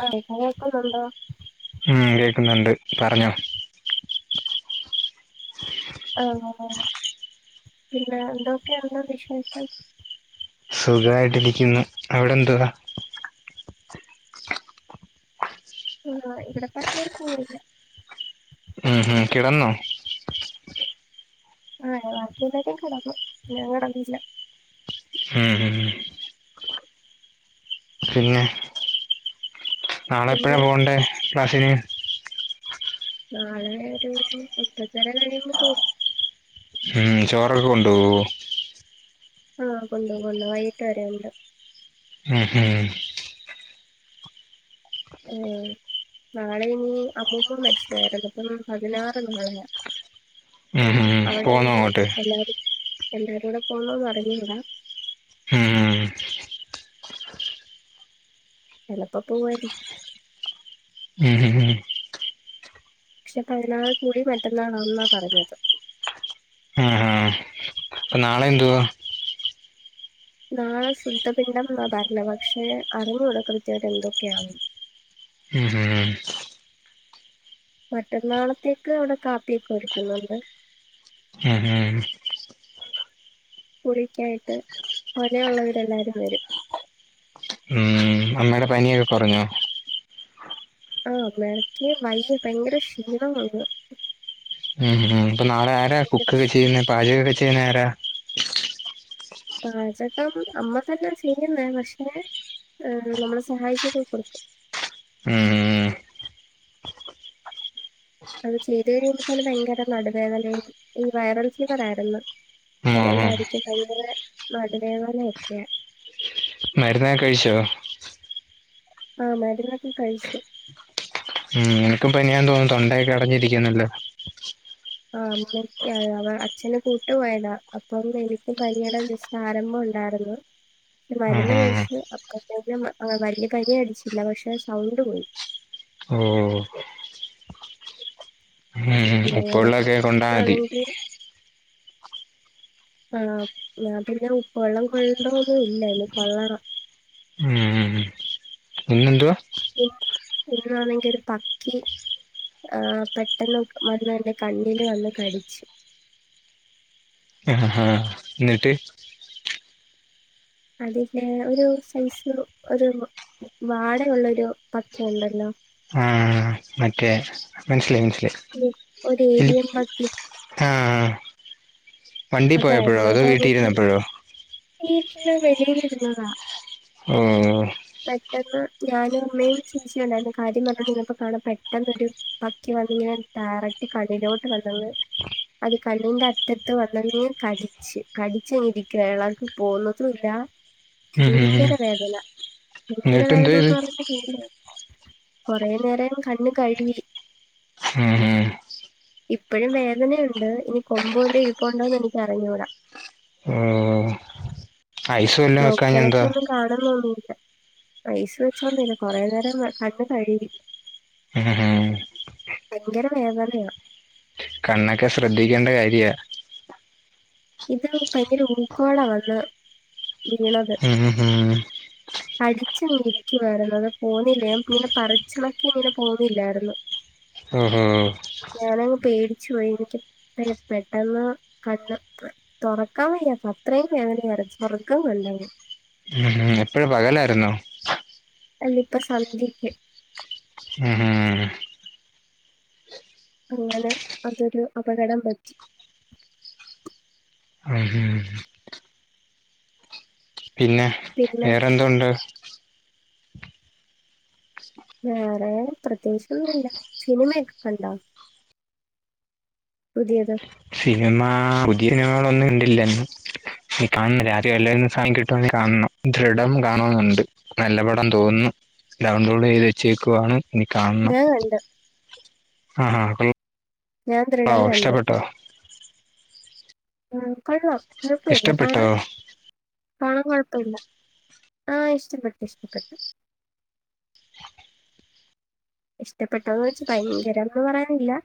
ആ കേൾക്കുന്നുണ്ടോ ഉം കേക്കുന്നുണ്ട് പറഞ്ഞോ ആഹ് പിന്നെ എന്തൊക്കെയൊണ്ട് വിശേഷം? സുഖായിട്ടിരിക്കുന്നു അവിടെ എന്തുവാ? ആഹ് ഇവിടെ [unintelligible] ഉം ഉം കിടന്നോ? ആ ബാക്കിയെല്ലാരും കെടന്നു ഞാൻ കെടന്നില്ല ഉം ഉം പിന്നെ നാളെ പിന്നെ എപ്പഴാ പോവണ്ടേ? ക്ലാസിന് നാളെ ഒരു എട്ട് എട്ടര കഴിയുമ്പോ പോകും ഉം ചോറൊക്കെ കൊണ്ടുപോകോ? ആഹ് കൊണ്ടോവും കൊണ്ടോവും വൈകിട്ട് വരെ ഉണ്ട്. മ് മ് ആ നാളെ ഇനി അമ്മൂമ മരിച്ചതായിരുന്നു അപ്പം പതിനാറ് നാളെ ഉം അപ്പം. ഉം ഉം. പോന്നോ അവിടെന്നു അങ്ങോട്ട് എല്ലാരും എല്ലാരുടെ പോണോന്ന് അറിഞ്ഞുട മ് മ് ചിലപ്പോ പോവയിരിക്കും മ് മ് മ് പക്ഷെ പതിനാറ് കുളി മറ്റന്നാണ്ന്നാ പറഞ്ഞത് അപ്പ നാളെ എന്തുവാ നാളെ ശുദ്ധ പിണ്ഡം ന്നാ പറഞ്ഞ പക്ഷെ അറിഞ്ഞുകൂട കൃത്യമായിട്ട് എന്തൊക്കെയാന്ന് ഉം ഹ് മറ്റന്നാളത്തേക്ക് അവിടെ കാപ്പിയൊക്കെ ഒരുക്കുന്നുണ്ട് ഉം കുറിക്കെയായിട്ട് പോരെഉള്ളവര് എല്ലാരും വരും ഉം അമ്മയുടെ പനിയൊക്കെ കുറഞ്ഞോ ആ അമ്മയിടക് വയ്യ ഭയങ്കര ക്ഷീണം വന്നു. ഉം ഉം അപ്പൊ നാളെ ആരാ ഭയങ്കര കുക്കൊക്കെ ക്ഷീ ചെയ്യുന്നത് പാചകമൊക്കെ ചെ കുക്കെയ്ന്നയാരാ പാചകം അമ്മ തന്നെ ചെയ്യുന്നേ പക്ഷേ നമ്മള് സഹായിച്ചൊക്കെ കൊടുക്കും ഉം അത് ചെയ്ത് കഴിയുമ്പോത്തേന് ഭയങ്കര നടുവേദനയും ഈ വൈറൽ ഫീവർ ആയിരുന്നു ഉം ഉം ഉം അതുകൊണ്ടായിരിക്കും ഭയങ്കര നടുവേദനയൊക്കെ മരുന്നക്കെ കഴിച്ചോ ആ മരുന്നൊക്കെ കഴിച്ചു ഉം നിനക്കും പനിയാന്ന് തോന്നുന്നു തൊണ്ടയൊക്കെ അടഞ്ഞിരിക്കുന്നുല്ലോ ആ അമ്മക്ക് അവ അച്ഛന കൂട്ട് പോയതാ അപ്പം എനിക്കും പനിയടെ ജസ്റ്റ് ആരംഭം ഉണ്ടായിരുന്നു പക്ഷെ ആഹ് മരുന്ന് ആഹ് കഴിച്ചു അപ്പ വലിയ പനി അടിച്ചില്ല പക്ഷെ സൗണ്ട് പോയി ഹോ ഹോ ഉം ഉ ഉപ്പ്‌ അങ്ങനെ വെള്ളൊക്കെ കൊണ്ടാൽ മതി ആ ഞാൻ പിന്നെ ഉപ്പ് വെള്ളം കൊള്ളണ്ടൊന്നും ഇല്ല ഇനി കൊള്ളണം ഇന്നെന്തുവാ [inaudible] ഇന്നാണെങ്കിൽ ഒരു പക്കി ആ പെട്ടെന്ന് വന്ന് എന്റെ കണ്ണില് വന്ന് കടിച്ചു ആ എന്നിട്ട് അതിന്റെ ഒരു സൈസ് ഒരു വാടയുള്ളൊരു പക്കിയുണ്ടല്ലോ ആഹ് മറ്റേ മനസ്സിലായി മനസിലായി ഒരു ഏരിയൻ പക്കി [inaudible] വണ്ടി പോയപ്പോഴോ അതോ വീട്ടിൽ ഇരുന്നപ്പോഴോ വീട്ടില്‌ വെളിയിലിരുന്നതാ ഒ ഓ പെട്ടന്ന് ഞാനും അമ്മയും ചേച്ചിയുണ്ടായിരുന്നു കാര്യം പറഞ്ഞോണ്ടിരുന്നപ്പോൾ കാണാം പെട്ടെന്നരു പക്കി വന്ന് ഞാൻ ഡയറക്ട് കണ്ണിലോട്ട് വന്നങ്ങ് അത് കണ്ണിന്റെ അറ്റത്ത് വ [unintelligible] കടിച്ചങ്ങ് കടിച്ചങ്ങിരിക്കുകയാ എളകി പോകുന്നതുമില്ല ഉം ഉം ഭയങ്കര വേദന ഭങ്കര എന്നിട്ട് എന്തോ വേദന ചെയ്ത് എന്ന് പറഞ്ഞ [inaudible] കൊറെ നേരം കണ്ണ് കഴുകി. ഉം ഉം ഇപ്പഴും വേദനയുണ്ട് ഇനി കൊമ്പ് വല്ലോം ഇരു പ്പോണ്ടോന്ന് എനിക്കറിഞ്ഞൂട. ഓ ഐസ് വല്ലോം വെക്കാഞ്ഞ എന്താ നോക്കിയണക്കൊന്നും കാണുന്നൊന്നും ഇല്ല. ഐസ് വെച്ചൊന്നും ഇല്ല. കൊറെ നേരം കണ്ണു കഴിവി. ഉം ഉം ഭയങ്കര വേദനയാ കണ്ണൊക്കെ ശ്രദ്ധിക്കേണ്ട കാര്യ. ഇത് ഭയങ്കര ഉക്കോടാ വന്ന് ഉം ഉം കടിച്ചങ്ങിരിക്കുവാരുന്നു അത് പോന്നില്ല ഞാൻ പിന്ന പറിച്ചണക്കെ ഇങ്ങനെ പോന്നില്ലായിരുന്നു. ഉം ഉം ച്ചോയിരിക്കും പെട്ടെന്ന് കണ്ണ് തു തുറക്കാൻ വയ്യ അത്രയും വേദനഉയരുന്നു. സ്വർഗം കണ്ട് [inaudible] ഉം ഉം എപ്പഴാ പകലായിരുന്നോ? ഇപ്പ സന്ധ്യക്ക്‌. ഉം അങ്ങനെ അതൊരു അപകടം പറ്റി [unintelligible] പിന്നെ പിന്നെ വേറെന്തുണ്ട് വേറെ പ്രത്യേകിച്ചൊന്നുല്ല സിനിമയൊക്കെ കണ്ടോ പുതിയത് സിനിമ പുതിയ സിനിമകളൊന്നും ഇണ്ടില്ല കാണുന്നില്ല [unintelligible] കാണണം ദൃഢം കാണെന്നുണ്ട് നല്ല പടം തോന്നുന്നു ഡൗൺലോഡ് ചെയ്ത് വെച്ചേക്കുവാണ് ഇനി കാണണം ഞാൻ കണ്ട് ആഹ [unintelligible] ഞാൻ ദൃടം കണ്ടു ആ കൊള്ളാം കൊഴപ്പമില്ല ഇഷ്ടപ്പെട്ടോ കാണാൻ കാണാൻ കൊഴപ്പ [unintelligible] ആ ഇഷ്ടപ്പെട്ടു ഇഷ്ടപ്പെട്ടു ഇഷ്ടപ്പെട്ടന്ന് വെച്ച ഭയങ്കരന്ന് പറയാനില്ല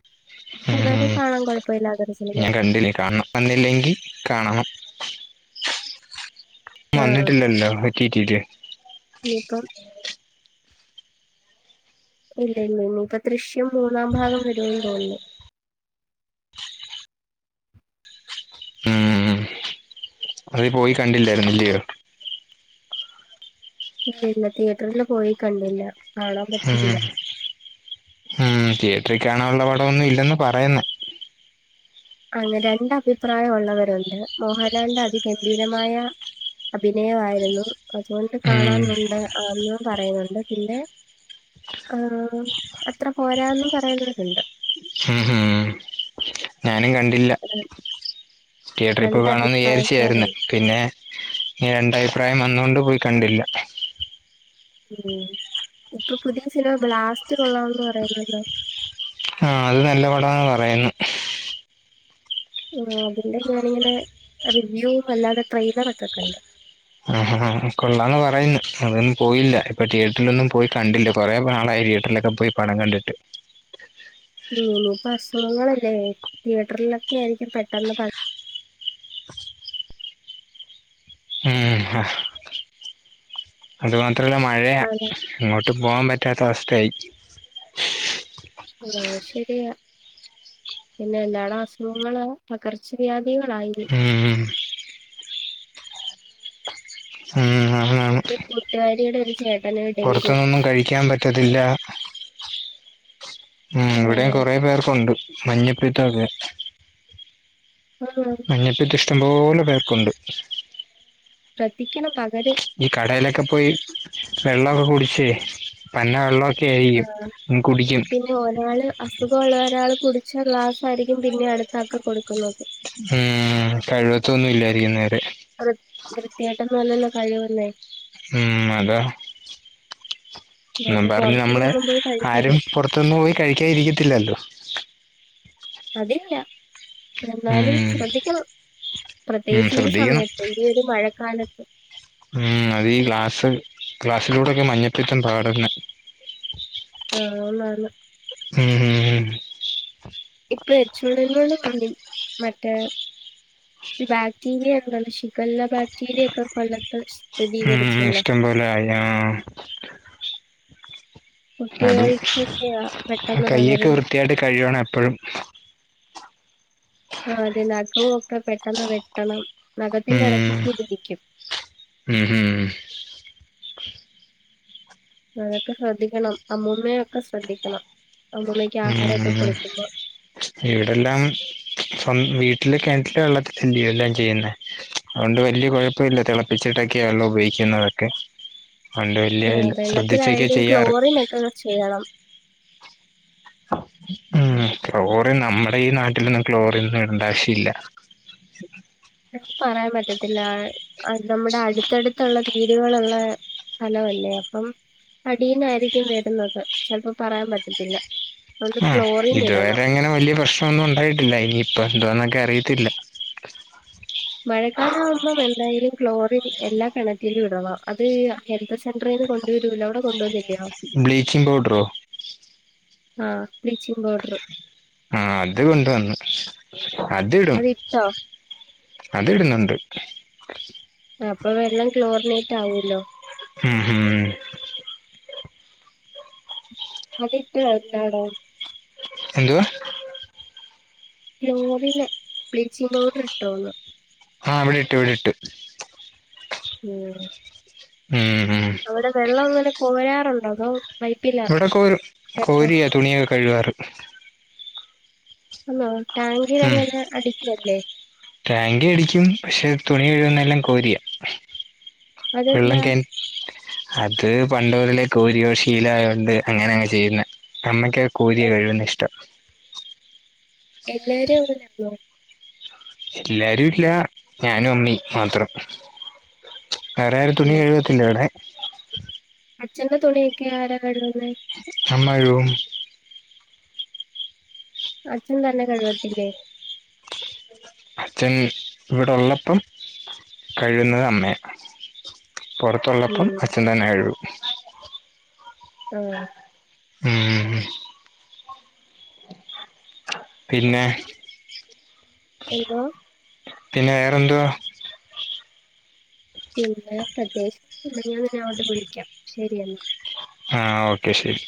ഉം എന്നാലും കാണാൻ കുഴപ്പമില്ലാത്തൊരു സിനിമ ഞാൻ കണ്ടില്ല ഇനി കാണണം വന്നില്ലെങ്കി കാണണം ആഹ് വന്നിട്ടില്ലല്ലോ എറ്റീറ്റീട്ട ഇനിയിപ്പം ഇല്ല ഇല്ല ഇനിയിപ്പൊ ദൃശ്യം മൂന്നാം ഭാഗം വരോന്ന് തോന്നുന്നു ഉം അത് പോയി കണ്ടില്ലായിരുന്ന് ഇല്ലയോ ഇല്ല ഇല്ല തിയറ്ററില് പോയി കണ്ടില്ല കാണാൻ പറ്റിയില്ല ഉം ഉം തിയേ എത്രക്കണാനള്ള പടംൊന്നും ഇല്ലെന്ന് പറയുന്നേ അങ്ങനെ രണ്ട അഭിപ്രായം ഉള്ളവരുണ്ട് മോഹൻലാിന്റെ അതിഗംഭീരമായ അഭിനയയിരുന്നു അതുകൊണ്ട് ഉം കാണാനുണ്ട് ആന്നും പറയുന്നുണ്ട് പിന്നെ ർ അത്ര പോരാും പറയുന്നവരുണ്ട് ഉം ഉം ഞാനും കണ്ടില്ല യട്രിപ്പ് രണ്ട് കാണമന്ന് വിചാരിച്ചായിരുന്നു അഭിപ്രായക്കാരുണ്ട് പിന്നെ ഇ രണ്ടായി അഭിപ്രായം വന്നുകൊണ്ട് പോയി കണ്ടില്ല ഉം ഇപ്പൊ പുതിയ സിനിമ ബ്ലാസ്റ്റ് കൊള്ളണംന്ന് പറയുന്നുണ്ടോ ആഹ അത് നല്ല പടന്ന് പറയന്ന് ആ അതിന്റെ ഞാാനിങ്ങനെ റിവ്യൂ അല്ലാതെ ത്രൈത ഒക്കൊക്കെ ഉണ്ട് ആഹ കൊള്ളാന്ന് പറയുന്നു അതൊന്നും പോയില്ല ഇപ്പൊ തിയേറ്ററിലൊന്നും പോയി കണ്ടില്ല കൊറെ നാളായി തിയേറ്ററിലൊക്കെ പോയി പടം കണ്ടിട്ട് ഇനിയിപ്പ അസുഖങ്ങളല്ലേ തിയേറ്ററിലൊക്കെ ആയിരിക്കും പെട്ടെന്ന് പറ ആഹ ഹാ അതവാ അത്രല്ല മഴയ ഇങ്ങോട്ട് പോകാൻ പറ്റും സ്റ്റാട്ടസ്ത്തെ ആഹ ശരിയാ പിന്നെ എന്താട അസുഖങ്ങ തകർച്ചത നിീങ്ങളളായിരി ഉം ഉം ഞ കൂട്ടുകാരിയുടെ ഒരു ചേട്ട പുറത്തുന്നൊന്നും കഴിക്കൻ പറ്റത്തില്ല ഉം ഇവിടെയും ആഹ് കൊറേ പേർക്കുണ്ട് മഞ്ഞപ്പിത്തൊക്കെ ആഹ് മഞ്ഞപ്പിത്തം. ഇഷ്ടം പോലെ പേർക്കുണ്ട്. ശ്രദ്ധിക്കണം പകരും ഈ കടയില് ഒക്കെ പോയി വെള്ളം കുടിച്ച് പന്നവെള്ളമൊക്കെ. [unintelligible] കുടിക്കും. പിന്നെ ഒരാള് അസുഖമുള്ള ഒരാൾ കുടിച്ച ഗ്ലാസ് ആയിരിക്കും പിന്നെ അടുത്താക്ക് കൊടുക്കുന്നത്. ഉം കഴിവുത്തൊന്നും ഇല്ലായിരിക്കും നേരെ. കഴിവുന്നെ ഉം അതാ. അപ്പൊ എന്നുപറഞ്ഞു നമ്മളെ പുറത്തുന്നൊന്നും പോയി കഴിക്കില്ല ആരും പുറത്തൊന്നും പോയി കഴിക്കാതിരിക്കത്തില്ലല്ലോ. അതില്ല എന്നാലും ഉം ശ്രദ്ധിക്കണം, ഉം പ്രത്യേകിച്ച് ഈ ശ്രദ്ധിക്കണം സമയത്ത് ഈ ഒരു മഴക്കാലത്ത്. ഉം അത് ഈ ഗ്ലാസ് ഗ്ലാസ്സിലുടെ ഒക്കെ മഞ്ഞപ്പിത്തം പകരുന്നേ. ഓ ആന്നാന്ന്. ഉം ഉം ഉം. ഇപ്പൊ H one N one and മറ്റേ ബാക്ടീരിയ ഉണ്ടല്ലോ ഷിഗെല്ല ബാക്ടീരിയ ഒക്കെ കൊല്ലത്ത് സ്ഥിതി. ഉം ഇഷ്ടപോലെ ആയി. അതെ കുട്ടികൾക്കൊക്കെയാ പെട്ടെന്ന് കൈയൊക്കെ പകരുന്നത് വൃത്തിയായിട്ട് കഴുകണം എപ്പഴും ആ അതെ നഖവും ഒക്കെ പെട്ടെന്ന് വെട്ടണം നഖത്തിന്റെ ഉം എടകൊക്കെതിരിക്കും ഉം അതൊക്കെ ശ്രദ്ധിക്കണം അമ്മൂമ്മയൊക്കെ ശ്രദ്ധിക്കണം അമ്മൂമ്മക്ക് ഉം ആഹാരൊക്കെ ഉം കൊടുക് കുമ്പോ ഇവിടെല്ലാം സ്വ വീട്ടിലെ കെൺറ്റിലെ വെള്ള [unintelligible] എല്ലാം ചെയ്യുന്നേ അതുകൊണ്ട് വല്യ കൊഴപ്പമില്ല തിളപ്പിച്ചിട്ടൊക്കെയാണ് ഉപയോഗിക്കുന്നതൊക്കെ അതുകൊണ്ട് വലിയ ആ ശ്രദ്ധിച്ചൊക്കെ വെള്ളത്തിലായാലും ചെയ്യാറ് ക്ലോറിൻ ഒക്കെ ചെയ്യണം ഉം ക്ലോറിൻ നമ്മടെ ഈ നാട്ടിലൊന്നും ക്ലോറിൻ ഇടേണ്ട ആവശ്യ ഇല്ല പറയാൻ പറ്റത്തില്ല നമ്മുടെ അടുത്തടുത്തുള്ള വീടുകളുള്ള സ്ഥലംല്ലേ അപ്പം അടീന്നായിരിക്കും വരുന്നത് ചെൽപ്പം പറയാൻ പറ്റത്തില്ല ഒന്ന് ആഹ് ക്ലോറിൻ ഇടണം ഇതുവരെ അങ്ങനെ വലിയ പ്രശ്നൊന്നും ഉണ്ടായിട്ടില്ല ഇനിയിപ്പ എന്ദോന്നക്കെ അറിയത്തില്ല മഴക്കാലം ആവുമ്പം എന്തായാലും ക്ലോറിൻ എല്ലാ കെണറ്റിലും ഇടണം അത് ഹെൽത്ത് സെന്ററേന്ന് കൊണ്ടുവരുല്ലോ അവിടെ കൊണ്ടുവന്നില്ലേ ബ്ലീച്ചിംഗ് പൗഡറോ ആഹ് ബ്ലീച്ചിങ് പൗഡറ് ആഹ അത് കൊണ്ടുവന്ന് അതിട്ടോ അത് ഇടുന്നുണ്ട് അപ്പം എല്ലാം ക്ലോറിനെ റ്റാഉഅല്ലോ മ് ഹ്മ് അത് ഇട്ട വല്ലാടോ എന്തുവാ [unintelligible] ബ്ലീച്ചിങ് പൗഡർ ഇട്ടോന്ന് ആഹ് ഇവിടെ ഇട്ട് ഇവിടെ ഇട്ട് ഉം ഉം ഉം അവിടെ വെള്ളം ഇങ്ങനെ കോയാ ട്ടുണ്ടതോ ഇവിടോക്കെ ഒരു കോരിയാ തുണിയൊക്കെ കയിവാറ് ആ ഉം ടാങ്ക അടിക്കും പക്ഷെ തുണി കഴുകുന്നെല്ലാം കോരിയ വെള്ള അതെന്താ കാൻ അ അത് പണ്ടുതലേ കോരിയോ ശീലായോണ്ട് അങ്ങനെ അങ്ങെ ചെയ്യുന്ന അമ്മയ്ക്ക് കോരിയെ എ- കഴിവുന്ന ഇഷ്ടം എല്ലാരും [unintelligible] എല്ലാരും ഇല്ല ഞാനും അമ്മിം മാത്രം വേറാരും തുണി ഉം. കഴ് വത്തില്ല്ടെ അച്ഛന്റെ തുണിയൊക്കെ ആരാ കഴ്ക് അമ്മ കഴ്കും അച്ഛൻ തന്നെ കഴ് വത്തില്ലേ അച്ഛൻ ഇവിടൊള്ളപ്പം കഴ്‌ക്ന്നത് അമ്മയാ പുറത്തൊള്ളപ്പം ഉം അച്ഛൻ തന്നെ കഴ്കും ആ ഉം പിന്നെ എന്താേ? പിന്നെ വേറെന്തുവാ പിന്നെ പ്രത്യേച്ച് ഇല്ല ഞാൻന്നെ അങ്ങോട്ട് പോയിരിക്കാം ശരിയെന്ന ആ ഓക്കെ ശരി